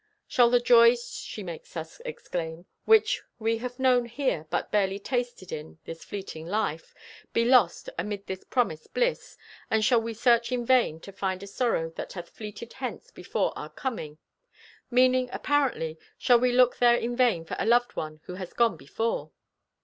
Shall the joys, she makes us exclaim, which we have known here but barely tasted in this fleeting life, "be lost amid this promised bliss!" and shall we "search in vain to find a sorrow that had fleeted hence before our coming?"—meaning, apparently, shall we look there in vain for a loved one who has gone before?